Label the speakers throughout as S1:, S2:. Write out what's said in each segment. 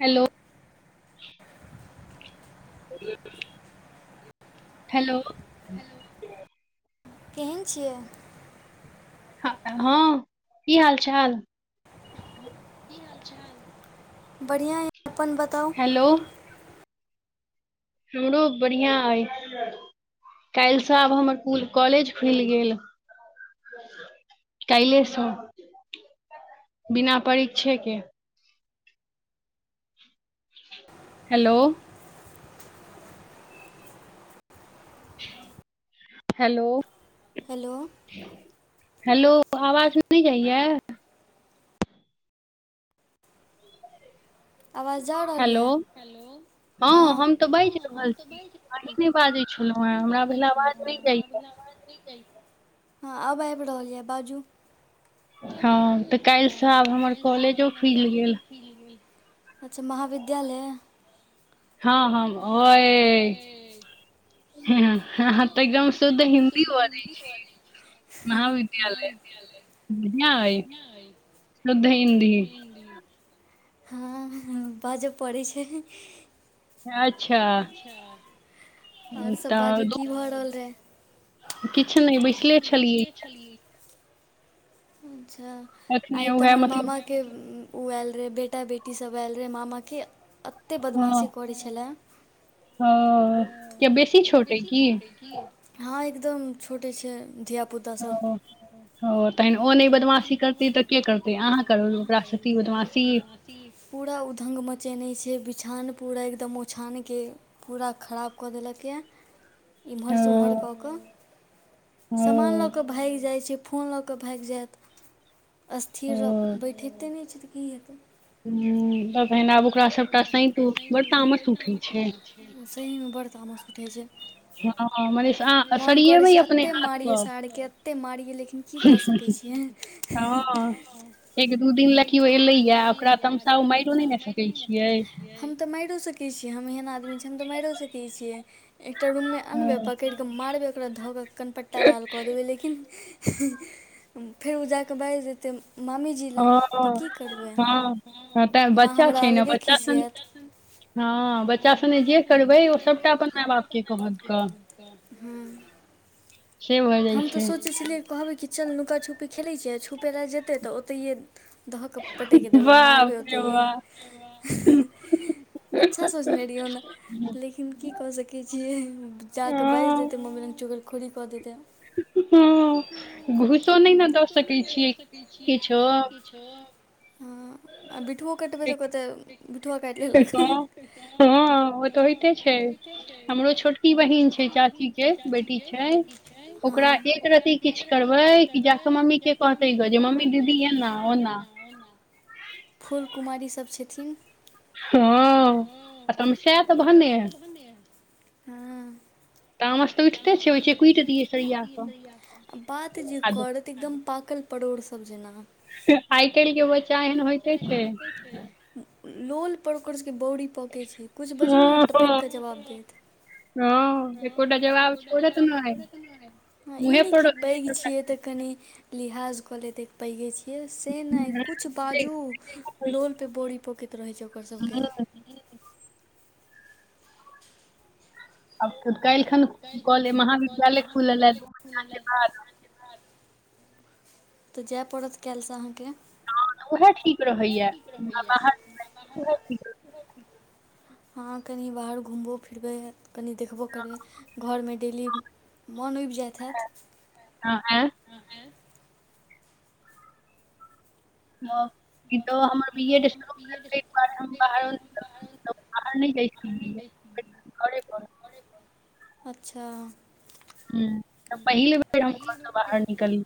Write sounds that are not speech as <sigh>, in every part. S1: Hello ह <inaudible> hello
S2: केहन छियै
S1: हँ की हाल चाल
S2: बढ़ियां अय अपन बताउ
S1: हमरो बढियां अय काल्हिसँ आब हमर कॉलेज खुलि गेल काल्हिसँ बिना परीक्षे के हेलो हेलो
S2: हेलो
S1: हेलो आवाज नहि जाइये
S2: आवाज जा रहल यऽ हेलो
S1: हँ हम तऽ बाजि रहल छी अहीं नहि बाजैत छलहुँ हें हमरा भेल आवाज नहि जाइए <inaudible>
S2: हँ आब आबि रहल ये बाजू
S1: हँ तऽ काल्हिसँ आब हमर कॉलेजो खुलि गेल
S2: अच्छा महाविद्यालय
S1: हँ हँ ओए हु हु अहाँ तऽ एकदम शुद्ध हिन्दी बाजै छी
S2: अहाँ केँ की हाल अय <unintelligible>
S1: शुद्ध हिन्दी
S2: हँ बाजय पड़ै छै अच्छा आओर सब बाजू की भऽ रहल रहै
S1: किछु नहि बैसले छलियै
S2: अच्छा आइ तऽ हमर मामा केँ ओ आयल रहै बेटा बेटी सब आयल रहै मामा केँ एते बदमाशी करै छलै ह के बेसी छोड़तय की ह एक एकदम छोटे छै धिया
S1: आओर <unintelligible>
S2: ओ अरे़ ओ नै बदमाशी करतै तऽ केँ करतै अहाँ करबै बदमाशी पूरा उद ढंग मचेने छै बिछौन पूरा एकदम ओछानकेँ पूरा खराब कऽ देलक यऽ एम्हरसँ ओम्हर कऽ कऽ सामान लऽ कऽ भागि जाइत छै फोन लऽ कऽ क भागि जायत स्थिर बैठते नहि छै तऽ की हेतै
S1: हँ तखैन आब ओकरा सभटा सैतू बड्ड तामस उठै छै
S2: बड़ तामस छै मोन करै छै एते मारियै साड़के एतेक मारियै लेकिन की कऽ सकैत छियैन
S1: एक दू दिन लऽ की ओ एलैया ओकरा तमशाओ माइरो नहि ने सकैत छियै
S2: मारियो सकैत छियै हम एहन आदमी छी हम तऽ मारियो सकैत छियै एकटा रूममे अनबै पकड़ि कऽ मारबै ओकरा धऽ कऽ कनपट्टा लाल कऽ देबै लेकिन फेर उ जाकऽ बाजि देतै मामीजी लग तऽ की करबै माँ हमरा अलगे खिसियात हँ बच्चा सने जे करबै ओ सभटा अपन माय बापके कहत पहुच कर हम तऽ सोचै छलियै कहबै किचन लुका छुपी खेलै छियै छुपए लए जेतै तऽ ओतहिए दऽ कऽ पटकि कऽ देबै मारबै ओतहि अच्छा सोचने रहियै ओना लेकिन की कऽ सकै छियै जा कऽ बाजि देतै मम्मी लग चुगल खोड़ी कऽ देतै
S1: हँ घूसो नहि ने दऽ सकै छियै किछो
S2: हँ आ बिठुओ कटबै तऽ कतेक बिठुआ काटि लेलक
S1: हँ ओ तऽ होइते छै हमरो छोटकी बहिन छै चाची के बेटी छै ओकरा एक
S2: ओकरा एक रति किछु करबै कि जा कऽ मम्मी के कहते मम्मी दीदी एना ओना फूल कुमारीसभ छथिन
S1: हँ
S2: हँ आकांक्षा अहाक बहन ह
S1: तामस तऽ उठिते छै होइ छै कुटि दियै सरिआ कऽ
S2: बात जे कर एकदम पाकल परोड़ सन जेना आइ काल्हि के बच्चा एहन होइते छै लोल पर ओकर सब के बौरी पकै छै कुछ बजू ने टपकऽ के जवाब देत
S1: हाँ एकोटा जबाब छोरत नहि मुंहे पर
S2: कि पैघ छियै तऽ कनि लिहाज कऽ लेत पैघे छियै यै से नहि कुछ बाजू लोल पे बोड़ी पकैत रहे छै ओकर सबके
S1: <unintelligible> आब काल्हि खन कऽ लेब महाविद्यालय खुलल है दू महीना के बाद
S2: तऽ जाय पड़त काल्हि से अहाँके ओहो ठीक रहै यै आब अहाँ के ह कनि बाहर घुमबो फिरबै कनि देख करबै घरमे डेली मोन उबि जाइत हैत
S1: ह कि तऽ हमर बीएड शुरू भेलय तकर बाद हम बाहरो
S2: अच्छा
S1: ह तऽ पहिल बेर हम घरसे बाहर निकली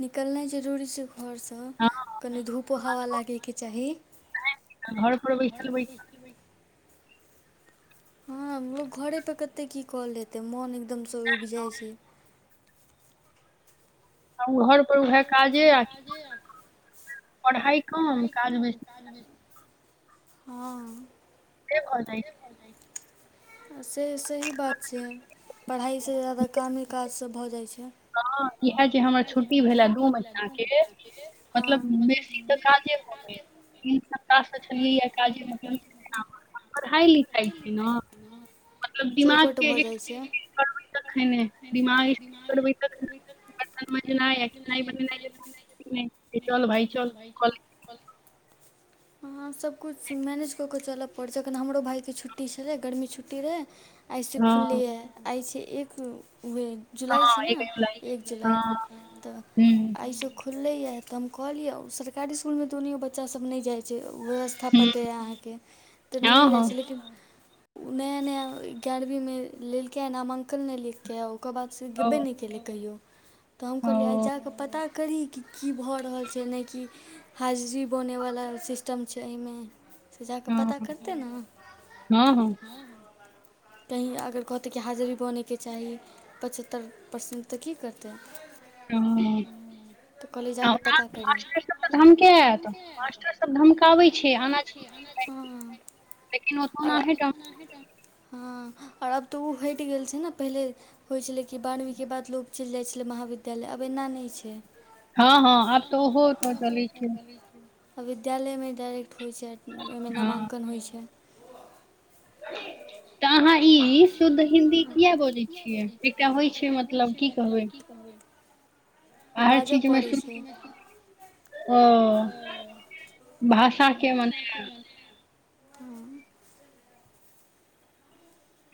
S2: निकलनाए जरूरी सेहो घरस कनि धूपो हवा लागैके चाही <unintelligible> हाँ लोक घरेपर कतेक की कल लैतै मोन एकदमसे उब जाई छै
S1: आ घर पर उहे काजे आ पढ़ाई कम काजे बेसी
S2: हाँ
S1: के कहत ई
S2: से सही बात छै पढ़ाइसे जादा कामे काज से भऽ जाइ छै
S1: हँ इएह जे हमर छु कि भेल दू महीना के मतलब बेसी तऽ काजे होते तीन सप्ताह छलियै काज मतलब पढ़ाई लिखाई छै ने मतलब दिमाग के एक रति स्थिर करबै तखने दिमागे बरतन माजनाए <unintelligible>
S2: ह सभकुछ मैनेज कऽ कऽ चलय पड़ै छै एखन हमरो भायके छुट्टी छलै गर्मी छुट्टी रहय आइसे खुललै यै आइसे एक उहे जुलाउ छै ने एक जुलाई तऽ आईसे खुललैए तऽ हम कहलियै सरकारी स्कुलमे तऽ उनहियो बच्चासभ नहि जाइ छै व्यवस्था पते यै अहाँके तऽ नहिए जाई छी लेकिन नया नया ग्यारहवीं में लेलकै ह नामांकन ने लेलकै उ ओकर बाद से गेबे नहि केलैय कहियो तऽ हम कहलियए आई जाके पता करी की भऽ रहल छै नहि कि हाजिरी बनैवला सिस्टम छै एहिमे से जाकऽ पता करतै ना
S1: <inaudible>
S2: कही अगर कहतै कि हाजिरी बनयके चाही पचहत्तरि परसेंट तऽ की करतै
S1: हाँ
S2: तऽ कॉलेज जाकऽ पता कर
S1: मास्टर सब तऽ धमकेत आयत मास्टर सब धमकाबै छै आना ज लेकिन ओतना है कम
S2: ओर आब तऽ ओ हटि गेल छै ने पहिले होइ छलै कि बारहवींके बाद लोक चलि जाई छलै महाविद्यालय तैहि लए अब एना नहि छै
S1: हाँ हाँ आब त ओहो त चलै छै
S2: आ विद्यालयमे डायरेक्ट होइत छै ओहिमे नामांकन होइत छै
S1: तऽ अहाँ ई शुद्ध हिन्दी कियै बजै छियै एकटा होइ छै मतलब की कहबै
S2: बाजअ पड़ै छय
S1: ओ भाषा के माने
S2: हँ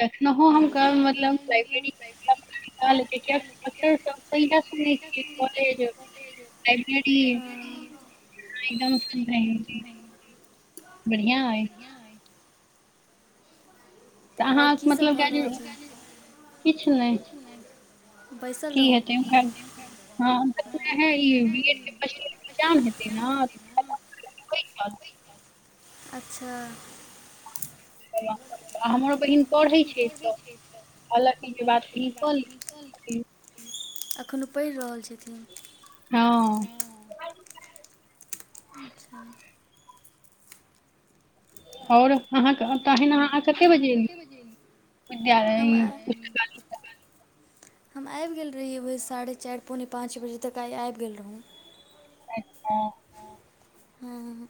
S1: एखनो हम कहब मतलब लाइब्रेरी लाइब्रेरी एकदम शुद्ध हिंदी बढ़िआ अय तऽ अहाँ मतलब काइल नहि र
S2: बैसल रहू
S1: हँ हम त बी एड के फर्स्ट ईयर के परिक्षा हेतय न
S2: अच्छा
S1: हमरो बहिन पढ़ै छै एतअ हालाँकि य बात सिंपल
S2: एखनउ पढ़ि रहल छथिन ह अच्छा
S1: आओर अहाँके तहन अहाँ कतेक बजे एलिये विद्यालय पु
S2: हम आबि गेल रही उहे साढ़े चारि पौने पाँच बजे तक आइ आबि गेल रहौँ
S1: अच्छा
S2: हँ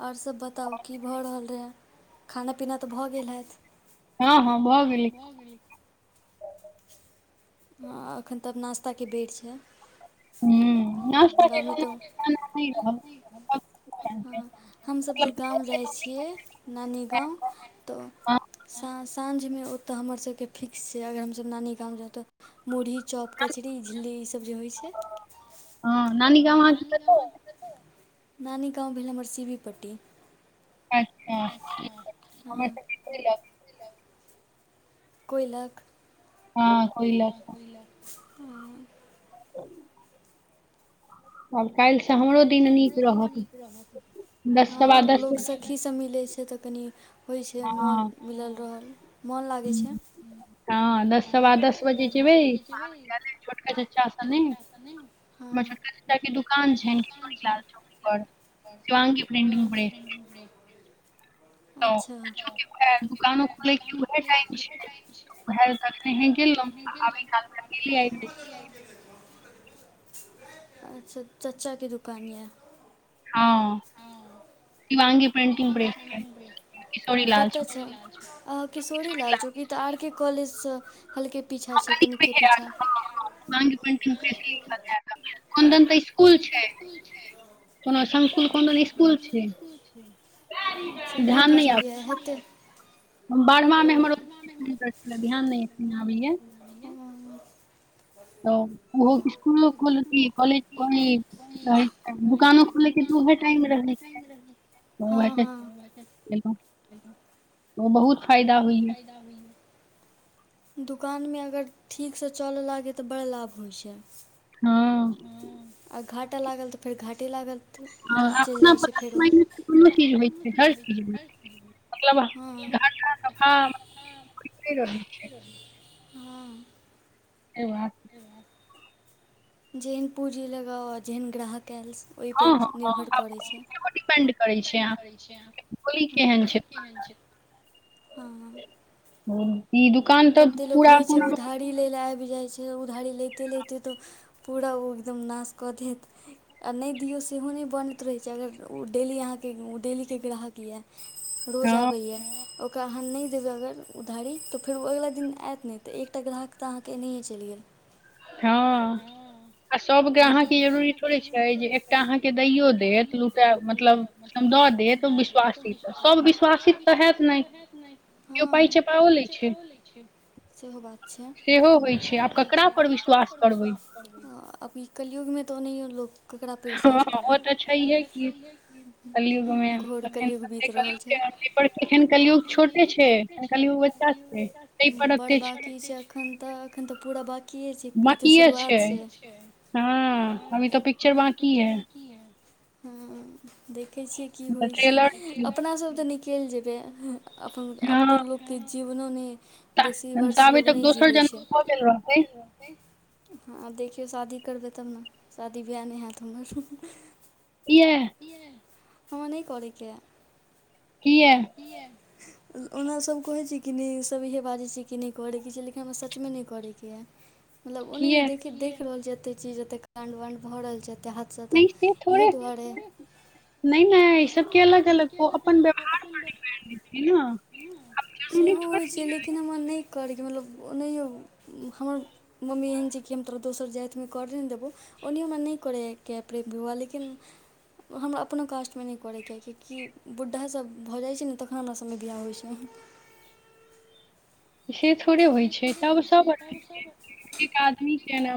S2: आओर सभ बताउ की भऽ रहल रहय खाना पीना तऽ भऽ गेल हैथ
S1: हँ हँ भऽ गेले
S2: हँ एखन तब नाश्ताके बेर छै
S1: ह नास्ता के खाना
S2: हँ हमसभ जे गाँव जाइ छियै नानी गाँव तऽ साँ साँझमे ओतऽ हमरसभके फिक्स छै अगर हमर सभ नानी गाम रहब तऽ मुरही चौप कचरी झिल्ली इसभ जे होइ छै हँ नानी गाँव आँहा के कतअ भेल नानी गाँव हमर सिवीपट्टी
S1: अच्छा हमरा सगे चयल एब
S2: कोयलक
S1: हँ कोयलक
S2: काल्हि स हमरो दिन नीक रहत हँ लोक सखी सब मिलैय छै त कनि होइ छै मोन मिलल रहल मन लागै छैय ह दस सबा दस बजे जेबें
S1: छोटका चचा सने हमर छोटका चचा के दुकान शिवांगी प्रिंटिंग ब <inaudible> दुकानो खोले के उहे टाइम छैय उएह तखन हे गेलउ आबे काल मे अकेल आयब गेली
S2: अच्छा चचा क दुकान यऽ
S1: हँ
S2: कतऽ छैय अह किशोरी लाल चौक ई तऽ आर के कॉलेजसँ
S1: <unintelligible>
S2: कोन्दन तऽ स्कुल छैय <unintelligible> स्कुल छैय अच्छा नहि बुझलिय यए हेतै
S1: बारहवाँमे हमर ओते सेंटर छले ध्यान नहि एखन आबैए तऽ ओहो स्कुल कॉलेजी रह छैय दुकानो खोले के त उह टाइम रहे छैय
S2: हँ हँ
S1: ओ बहुत फायदा होइय
S2: दोकानमे अगर ठीकसँ चलय लागै तऽ बड़ लाभ होइ छैय
S1: हँ
S2: घाटे लागल तऽ फेर घाटे लागल तऽ मतलब चलि जाइ छैय फेरो
S1: मतलब घाटा नफा होतै रहै छैय
S2: हँ
S1: ए वह
S2: जेहन पूँजी लगाउ आ जेहन ग्राहक आयल ओहिपर निर्भर करैत छैय
S1: डिपेंड करै छैय अह बोली केहन छैय
S2: हँ कते लोक होइ छैय उधारी ले ल आ जाइ छैय उधारी लैते लैते तऽ पूरा ओ एकदम नाश कऽ देत आ नहि दियौ सेहो नहि बनैत रहै छैय अगर ओ डेली अहाँ के डेली के ग्राहक यऽ रोज आबै य ओकर ओकरा अहाँ नहि देबै अगर उधारी तऽ फेर ओ अगिला दिन आयत नहि तऽ एकटा ग्राहक तऽ अहाँके एनाहियए चलि गेल।
S1: हँ
S2: सभ अहाँके जरूरी पड़ैत छैय जे एकटा अहाँके नहियो देत दूटा मतलब <unintelligible> विश्वसित तऽ है नहि सुन लय छी सेहो बात
S1: सेहो होइत छैय आब ककरा पर विश्वास करबै
S2: ह अभी कल युगमें तो ओनाहियों लोग ककरा पर विश्वास करै घोर कल युग बीत रहल छैय। बड़ बाकी छैय एखन तऽ एखन तऽ पूरा बाकीे छैय
S1: किए छैय हँ अभी तऽ पिक्चर बकी है
S2: ह देखैत छियै की होइत छैय अपनासभ तऽ निकलि जेबै अपन आब तऽ लोकके जीवनोमे बेसी वर्ष लोक नहि जीवै छैय। हँ देखियौ शादी करबै तब ने शादी वि्याह नहि हैत हमर
S1: इएह
S2: हमा नहि करके या किया ओनासभ कहैत छैय कि नहिसभ इएह बाजै छैय कि नहि करैके छैय लेकिन हमरा सचमे नहि करयके यए मतलब ओनाहि देखे देख रहल छैय एते चीज ओते करण्ड वण्ड भऽ रहल छैय त हथसँ त इहो दुआरे
S1: नहि नहि ई सबके अलग अलग ओ अपन व्यवहार पर डिपेंड छय न
S2: सेहो होइ छैय लेकिन हमरा नहि करयके मतलब ओनाहियो हमर मम्मी एहन छैय कि हम तोरा दोसर जाइत हम नय करय नहि देबौ ओना हमरा नहि करयके पड़े विवआाह लेकिन हमरा अपनो कास्टमे नहि करयके हए कियकि बुड्ढ़ासभ भऽ जाइत छैय ने तखन हमरासभमे बियाह होइ छैय
S1: से थोड़े होइ छैय सभ सभ रंग के एक आदमी के एना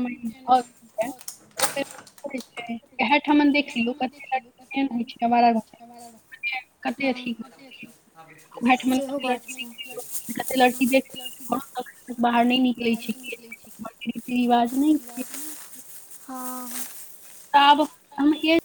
S1: त <unintelligible>
S2: ह सेहो बात छैय <unintelligible> हँ
S1: तऽब हम य